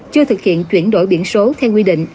chưa thực hiện chuyển đổi biển số theo quy định